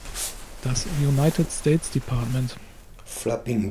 Das "United States Dept.